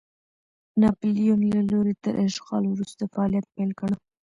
ناپلیون له لوري تر اشغال وروسته فعالیت پیل کړ.